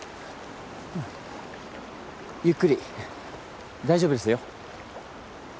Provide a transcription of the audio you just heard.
うんゆっくり大丈夫ですよ。